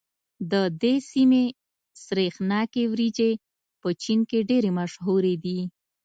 د دې سيمې سرېښناکې وريجې په چين کې ډېرې مشهورې دي.